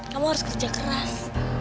kamu harus kerja keras